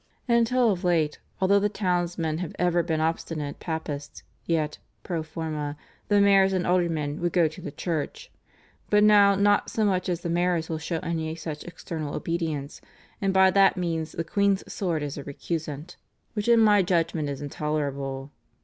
Until of late, although the townsmen have ever been obstinate Papists, yet /pro forma/ the mayors and aldermen would go to the church. But now not so much as the mayors will show any such external obedience, and by that means the queen's sword is a recusant, which in my judgment is intolerable.